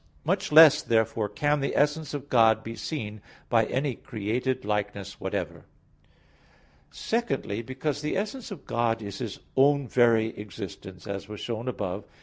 Much less therefore can the essence of God be seen by any created likeness whatever. Secondly, because the essence of God is His own very existence, as was shown above (Q.